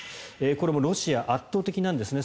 これもロシア圧倒的なんですね。